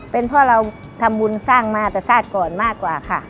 เป็นเพราะเราทำบุญสร้างมาแต่ศาสตร์ก่อนมากกว่าค่ะ